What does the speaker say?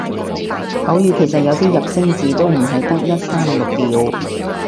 口語其實有啲入聲字都唔係得一三六調